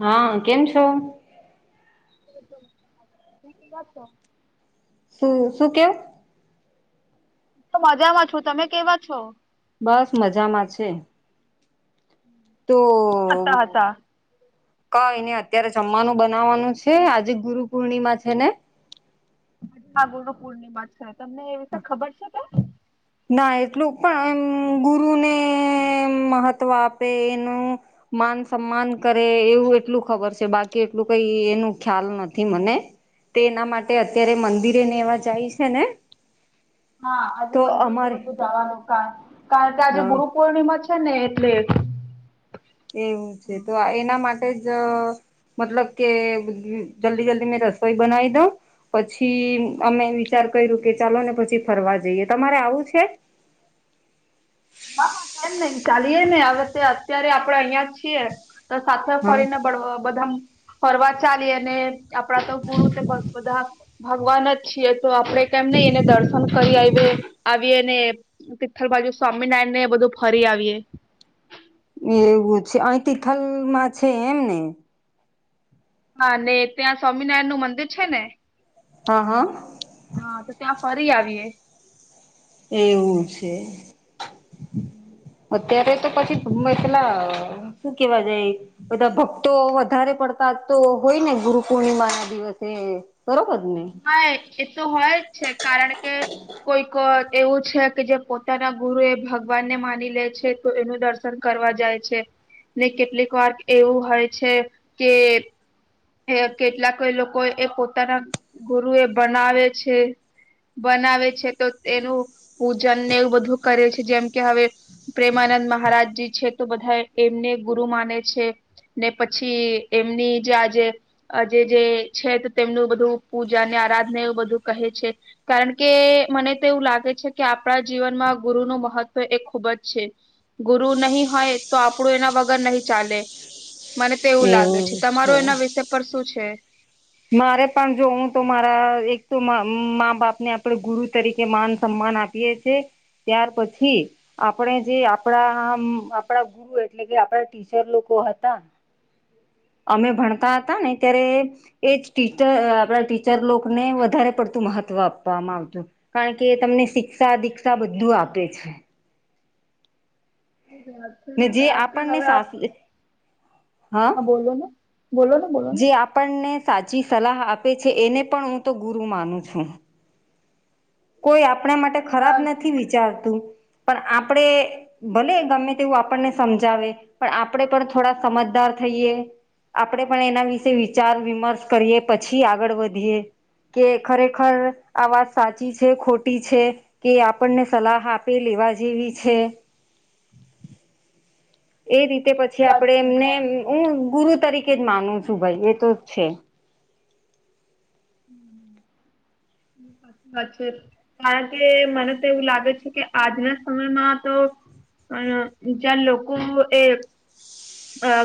હા કેમ છો, [unintelligible] શું શું ક્યો, હું તો મજામાં છું તમે કેવા છો, બસ મજા માં છે, તો, કરતા હતા કય ને અત્યારે જમવાનું બનાવવાનું છે આજે ગુરુ પૂર્ણિમા છે ને, હા ગુરુપૂર્ણિમા છે તમને એ વિશે ખબર છે, કે? ના એટલું પણ એમ ગુરુને મહત્વ આપે એનું, માન સન્માન કરે એવું એટલું ખબર છે બાકી એટલું કઈ એનું ખ્યાલ નથી મને તેના માટે અત્યારે મંદિરેને એવા જાય છે ને હા આજે તો મંદિર ને અમારે બધું જવાનું કારણ કે આજે હા ગુરુ, પૌર્ણિમા છે ને, એટલે, એવું છે તો એના માટે જ., મતલબ કે જલ્દી જલ્દી હું રસોઈ બનાવી દઉં., પછી અમે વિચાર્યું કે ચાલો ને ફરવા, જઈએ. તમારે આવવુ છે, હા, કેમ નહીં? ચાલીએ ને. અત્યારે આપણે અહીં જ છીએ., તો સાથે હા. ફરીને મળતા રહીશું., ફરવા ચાલીએ અને આપણા તો ગુરુ બધા ભગવાન જ છે. આપણે અહીં છીએ તો આપણે કેમ નહીં જઈએ? ભગવાનનાં દર્શન કરીને આવીએ, તીર્થલ બાજુ., સ્વામિનારાયણ ને એ બધું ફરી જ, એવું છે, અહીં તિથલમાં છે એમ ને?, હા ને, ત્યાં સ્વામિનારાયણનું મંદિર છે. ને, હા હા,, હા, તો ત્યાં ફરીને આવીએ., એવુ છે, અત્યારે તો પછી મટલા શું કહેવા જાય?, બધા ભક્તો વધારે પડતા હોય છે ને? બરોબર ને, હા, એ તો હોય જ છે, કારણ કે..., કોઈક એવું હોય છે કે જે પોતાના ગુરુને ભગવાન માની લે છે, તો તેઓ ગુરુનાં દર્શન કરવા માટે આવે છે., કરવા જાય છે ને? કેટલીક વાર એવું હોય છે કે., કેટલાક લોકો પોતાના ગુરુને ભગવાન માને છે., બનાવે છે, તો તેમનું પૂજન અને એવું બધું કરે છે, જેમ કે હવે, પ્રેમાનંદ મહારાજજી છે ને, તો ઘણા લોકો તેમને પોતાના ગુરુ માને છે., અને પછી એમનીજ આજે, આજે જે, પૂજા-આરાધના છે, એ બધું કરે છે. કારણ કે મનેતો એવું લાગે છે કે આપણા જીવનમાં ગુરુનું મહત્વ એ ખૂબ જ છે., ગુરુ નહીં હોય તો આપણું એના વગર નહિ ચાલે, મને તો એવું લાગે છે. તમારુ એના વિષય પર શુ છે,, મારે પણ જોવું હોય તો હું મારા મા-બાપને જ ગુરુ તરીકે માન અને સન્માન આપું., કે છે ત્યાર પછી, આપણે જે આપણા ગુરુ એટલે કે આપણા ટીચર લોકો હતા. અમે ભણતા હતા ને ત્યારે. એ જ ટીચર આપણા ટીચર લોકોને વધારે પડતું મહત્વ આપવામાં આવતું હતું. કારણ કે એ તમને શિક્ષા, દીક્ષા બધુ આપે છે. એ વાત છે ને, જે કારણ કે આપણને હવે સાસ આપણે. હા, બોલો ને, બોલો ને. બોલો ને જે આપણને સાચી સલાહ આપે છે, એને પણ હું ગુરુ માનું છું. કોઈ આપણા માટે ખરાબ નથી સાચી વિચારતું, પણ આપણે. ભલે ગમે તેવું આપણને સમજાવે, પણ આપણે પણ થોડા સમજદાર થઈએ. આપણે પણ એના વિશે વિચાર-વિમર્શ કરીએ અને પછી આગળ વધીએ. કે ખરેખર આ વાત સાચી સાચી છે કે ખોટી છે, કે આપણને સલાહ આપે એ લેવા જેવી છે. એ રીતે પછી વાત આપડે છે એમને હું ગુરુ તરીકે જ માનું છું. ભાઈ, એ તો છે. હા, બરાબર. કારણ કે મને તો એવું લાગે છે કે આજના સમયમાં તો. જ્યાં લોકો એ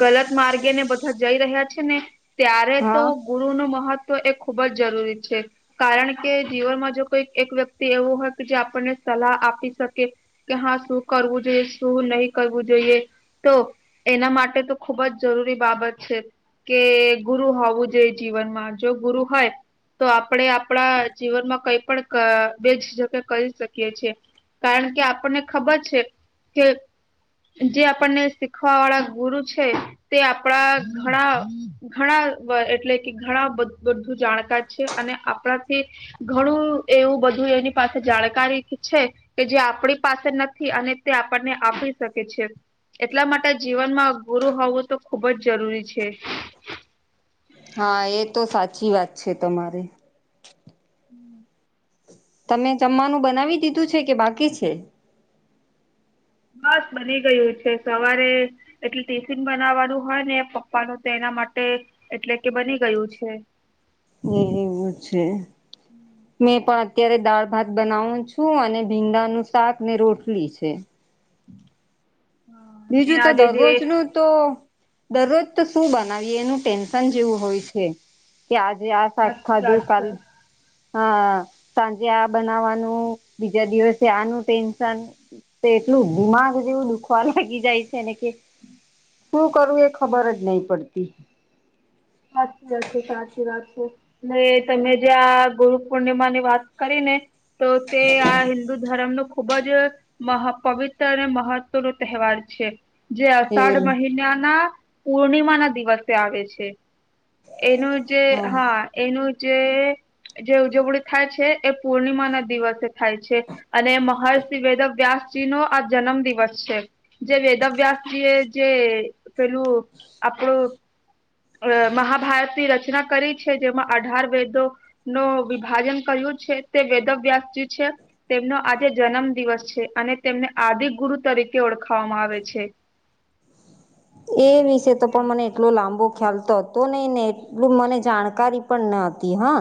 ગલત માર્ગે ને બધા જઈ રહ્યા છે ને. ત્યારે તો હા ગુરુનું મહત્વ ખૂબ જ જરૂરી છે. કારણ કે જીવનમાં જો કોઈક એક વ્યક્તિ એવું હોય કે જે આપણને સલાહ આપી શકે કે હા શું કરવું જોઈએ શું નહી કરવું જોઈએ તો એના માટે તો ખુબ જ જરૂરી બાબત છે કે ગુરુ હોવું જોઈએ જીવનમાં જો ગુરુ હોય તો આપણે આપણા જીવનમાં કઈ પણ ક બે ઝિઝક એ કરી શકીએ છીએ. કારણ કે આપણને ખબર છે કે જે આપણને શીખવા વાળા ગુરુ છે તે આપડા ઘણા ઘણા એટલે કે ઘણા બ બ જાણકાર છે અને આપણાથી ઘણું એવું બધું એની પાસે જાણકારી છે કે જે આપણી પાસે નથી અને તે આપણને આપી શકે છે એટલા માટે જીવનમાં ગુરુ હોવું તો ખુબ જ જરૂરી છે. હા એ તો સાચી વાત છે તમારી હમ તમે જમવાનું બનાવી દીધું છે કે બાકી છે? બસ બની ગયું છે સવારે એટલે ટિફિન બનાવવાનું હોય ને પપ્પાનું તો એના માટે એટલે કે બની ગયું છે હા એ એવું છે મેં પણ અત્યારે દાળ ભાત બનાવું છું અને ભીંડાનું શાક ને રોટલી છે હા અને બીજું તો આજે જે દરરોજનું તો દરરોજ તો શું બનાવીએ એનું ટેન્શન જેવું હોય છે કે આજે આ શાક સાચી ખાદુ વાત કાલ છે હા સાંજે આ બનાવવાનું બીજા દિવસે આનું ટેન્શન તો એટલું દિમાગ જેવું દુખવા લાગી જાય છેને કે શું કરવું એ ખબર જ નહી પડતી સાચી વાત છે સાચી વાત છે ને તમે જે આ ગુરુ પૂર્ણિમા ની વાત કરી ને તો તે આ હિન્દુ ધર્મ નો ખુબ જ મહા પવિત્ર અને મહત્વનો તહેવાર છે જે એ અષાઢ મહિનાના પૂર્ણિમા ના દિવસે આવે છે એનું જે હા એનું જે જે ઉજવણી થાય છે એ પૂર્ણિમા ના દિવસે થાય છે. અને મહર્ષિ વેદ વ્યાસ તેનો આ જન્મ દિવસ છે જે વેદવ્યાસજી એ જે પેલું આપડું અહ મહાભારતની રચના કરી છે જેમાં અઢાર વેદો નું વિભાજન કર્યું છે તે વેદ વ્યાસજી છે તેમનો આજે જન્મ દિવસ છે અને તેમને આદિ ગુરુ તરીકે ઓળખાવામાં આવે છે [inaudible] એ વિશે તો પણ મને એટલો લાંબો ખ્યાલ તો હતો ને ને એટલું મને જાણકારી પણ ન હતી હા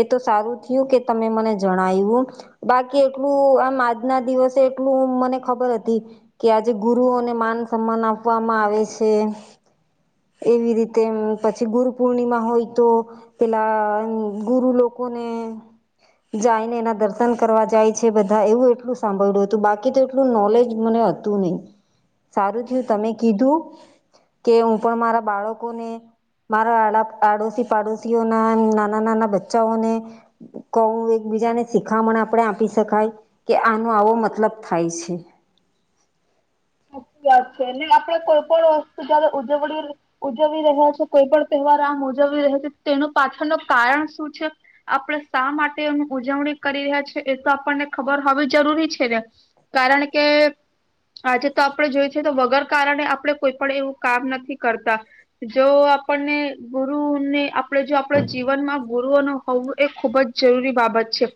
એ તો સારું થયું કે તમે મને જણાવ્યું બાકી એટલું આમ આજના દિવસે એટલું મને ખબર હતી કે આજે ગુરુઓને માન સમાન આપવામાં આવે છે એવી રીતે પછી ગુરુ પૂર્ણિમા હોય તો પેલા ગુરુ લોકો ને જાયને એના દર્શન કરવા જાય છે બધા એવું એટલું સાંભળ્યું હતું બાકી તો એટલું નોલેજ મને હત તું નહીં સારું થયું તમે કીધું કે હું પણ મારા બાળકોને મારા આડા-આડોશી પાડોશીઓના નાના નાના બચ્ચાઓને કહું એકબીજાને શીખામણ આપડે આપી શકાય કે આનો આવો મતલબ થાય છે. ત્યાં છે ને આપડે કોઈ પણ વસ્તુ જયારે ઉજવણી ઉજવી રહ્યા છે કોઈ પણ તહેવાર આમ ઉજવવી રહ્યા છી તેનું પાછળનું કારણ શું છે આપડે શા માટે એની ઉજવણી કરી રહ્યા છી એ તો આપણને ખબર હોવી જરૂરી છે ને કારણ કે આજે તો આપડે જોઈ છે તો વગર કારણે આપડે કોઈ પણ એવું કામ નથી કરતા. જો આપણને ગુરુને આપણે જો આપણા જીવન માં ગુરુઓ ન હોવું એ ખુબ જ જરૂરી બાબત છે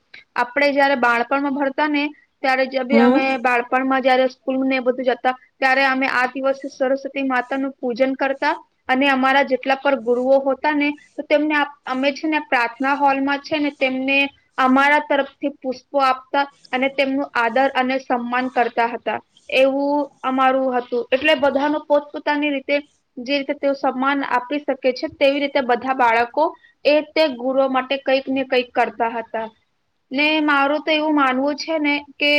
આપણે જયારે બાળપણમાં ભણતા ને ત્યારેજા ભી હમ અમે બાળપણ માં જયારે સ્કૂલ ને એ બધું જ ત્યારે અમે આ દિવસે સરસ્વતી માતા નું પૂજન કરતા અને અમારા જેટલા પણ ગુરુઓ હોતા ને તો તેમને આપ અમે છે ને પ્રાર્થના હોલમાં છે ને તેમને અમારા તરફથી પુષ્પો આપતા અને તેમનું આદર અને સન્માન કરતા હતા. એવું અમારું હતું એટલે બધાનું પોતપોતાની રીતે જે રીતે તેઓ સન્માન આપી શકે છે તેવી રીતે બધા બાળકો એ તે ગુરુ માટે કંઈક ને કંઈક કરતા હતા. ને મારું તો એવું માનવું છે ને કે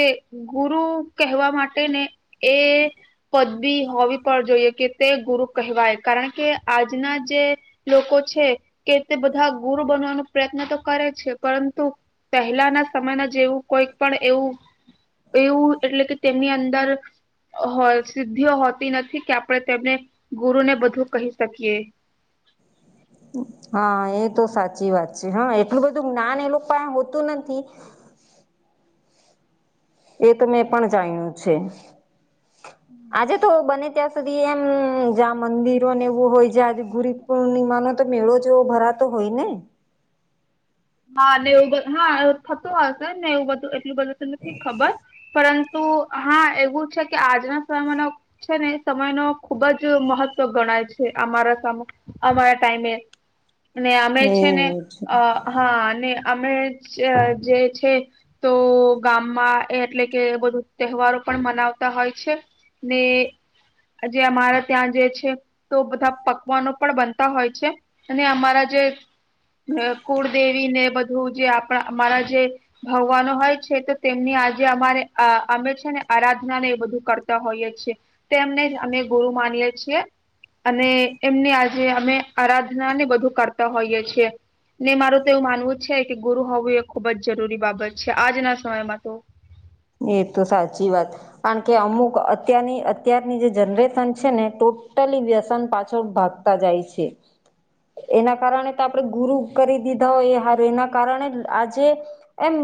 ગુરુ કહેવા માટે ને એ પદવી હોવી પણ જોઈએ કે તે ગુરુ કહેવાય કારણ કે આજના જે લોકો છે કે તે બધા ગુરુ બનવાનો પ્રયત્ન તો કરે છે પરંતુ પહેલા ના સમયમાં જેવું કોઈક પણ એવું એવું એટલે કે તેમની અંદર હોય સિદ્ધિઓ હોતી નથી કે આપણે તેમને ગુરુને બધું કહી શકીએ. હ, એ તો સાચી વાત છે. હ, એટલું બધું જ્ઞાન એ લોકો પાય હોતું નથી એ તો મેં પણ જાણ્યું છે. આજે તો બને ત્યાં આજ સુધી એમ જ્યાં મંદિરો ને એવું હોય જ્યાં ગુર પૂર્ણિમાનો તો મેળો જેવો ભરા તો હોયને? હા ને એવું બધ હા એ થતું હશે ને એવું બધું એટલું બધું નથી ખબર પરંતુ હા એવું છે કે આજના સમયનો છે ને એ સમય નો ખુબ જ મહત્વ ગણાય છે અમારા સામે અમારા ટાઈમે અને અમે છે ને એવું છે અ હા, અને અમે જ જે છે તો ગામમાં એટલે કે બધું તહેવારો પણ મનાવતા હોય છે ને આજે અમારા ત્યાં જે છે તો બધા પકવાનો પણ બનતા હોય છે અને અમારા જે કુળદેવી ને બધું જે આપણા અમારા જે ભગવાનો હોય છે તો તેમની આજે અમારે આ અમે છે ને આરાધના ને એ બધું કરતા હોઈએ છીએ. તેમને જ અમે ગુરુ માનીએે છીએ અને એમની આજે અમે આરાધના ને બધું કરતા હોઈએ છીએ. ને મારું તો એવું માનવું છે કે ગુરુ હોવું એ ખુબ જ જરૂરી બાબત છે આજના સમયમાં તો. એ તો સાચી વાત કારણ કે અમુક અત્યારની અત્યારની જે જનરેશન છે ને ટોટલી વ્યસન પાછળ ભાગ તા જાય છે. એના કારણે તો આપણે ગુરુ કરી દીધા હોય એ હારુ એના કારણે આજે એમ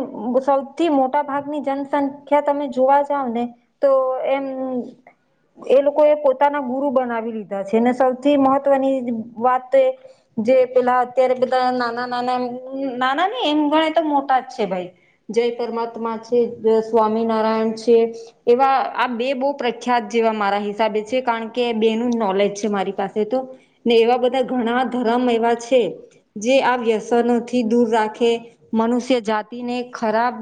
સૌથી મોટા ભાગની જન સંખ્યા તમે જોવા જાવ ને તો એમ એ લોકોએ પોતાના ગુરુ બનાવી લીધા છે અને સૌથી મહત્વની વાત તો એ જે પેલા અત્યારે બધા નાના નાના એમ નાના નહી એમ ગણે તો મોટા જ છે ભાઈ જય પરમાત્મા છે. સ્વામિનારાયણ છે. એવા આ બે બઉ પ્રખ્યાત જેવા મારા હિસાબે છે કારણ કે બે નું નોલેજ છે મારી પાસે તો ને એવા બધા ઘણા ધર્મ એવા છે જે આ વ્યસનોથી દૂર રાખે, મનુષ્ય જાતિને ખરાબ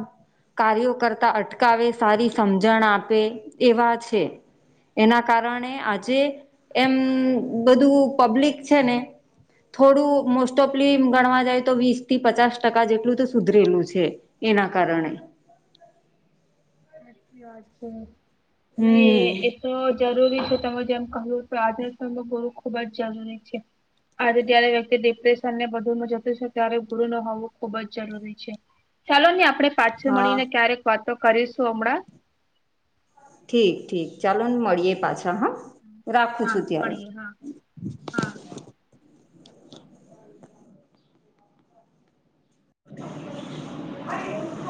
કાર્યો કરતા અટકાવે, સારી સમજણ આપે એવા છે. એના કારણે આજે એમ બધું પબ્લિક છે ને થોડું મોસ્ટ ઓફલી ગણવા જાય તો વીસ થી પચાસ ટકા જેટલું તો સુધરેલું છે એના કારણે. સાચી વાત છે અને હમ એ તો જરૂરી છે તમે જેમ કહ્યું તો આજના સમયમાં ગુરુ ખુબ જ જરૂરી છે. આજે જય્યારે વ્યક્તિ ડિપ્રેશન ને બધુંમાં જતું છે ત્યારે ગુર ન હોવું ખુબ જ જરૂરી છે. ચાલો ને આપણે પાછું હા મળીને ક્યારેક વાતો કરીશું હમણાં. ઠીક. ઠીક. ચાલો ને મળીએે. હ હ. હા, મળીએ. હા. હા. [inaudible]